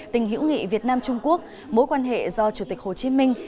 tình hữu nghị việt nam trung quốc mối quan hệ do chủ tịch hồ chí minh